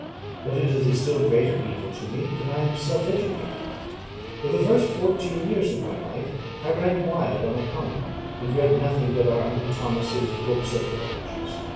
But it is a still greater evil to me that I am self educated: for the first fourteen years of my life I ran wild on a common, and read nothing but our uncle Thomas's books of voyages.